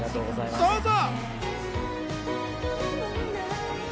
どうぞ！